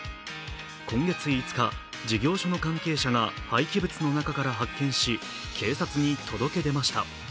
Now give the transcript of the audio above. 今月５日、事業所の関係者が廃棄物の中から発見し警察に届け出ました。